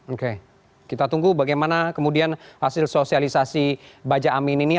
oke kita tunggu bagaimana kemudian hasil sosialisasi baja amin ini